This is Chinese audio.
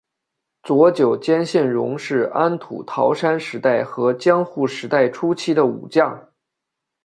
佐久间信荣是安土桃山时代和江户时代初期的武将。